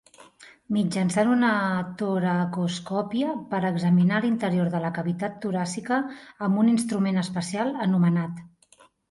Mitjançant una toracoscòpia per examinar l'interior de la cavitat toràcica amb un instrument especial anomenat.